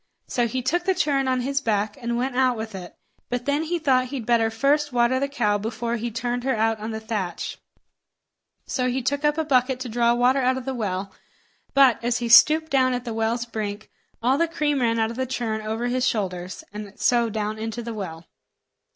So he took the churn on his back, and went out with it; but then he thought he'd better first water the cow before he turned her out on the thatch; so he took up a bucket to draw water out of the well; but, as he stooped down at the well's brink, all the cream ran out of the churn over his shoulders, and so down into the well.